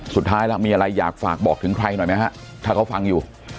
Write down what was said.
สุดท้ายแล้วมีอะไรอยากฝากบอกถึงใครหน่อยไหมฮะถ้าเขาฟังอยู่